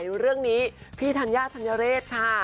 เรื่องนี้พี่ธัญญาธัญเรศค่ะ